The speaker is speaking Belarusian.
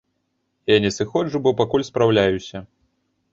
Я не сыходжу, бо пакуль спраўляюся.